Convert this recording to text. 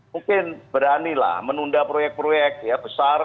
mungkin berani lah menunda proyek proyek ya besar